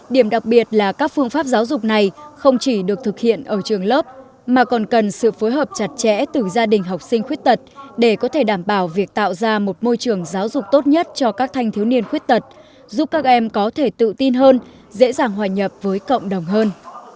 điểm đặc biệt là các phương pháp giáo dục này không chỉ được thực hiện ở trường lớp mà còn cần sự phối hợp chặt chẽ từ gia đình học sinh khuyết tật để có thể đảm bảo việc tạo ra một môi trường giáo dục tốt nhất cho các thanh thiếu niên khuyết tật giúp các em có thể tự tin hơn dễ dàng hòa nhập với cộng đồng hơn